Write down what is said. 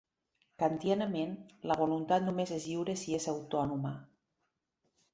Kantianament, la voluntat només és lliure si és autònoma.